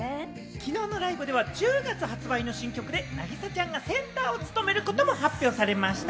きのうのライブでは１０月発売の新曲で凪咲ちゃんがセンターを務めることも発表しました。